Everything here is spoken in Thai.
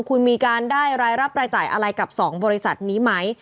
คุณมีการได้รายรับรายจ่ายอะไรกับ๒บริษัทนี้ไหม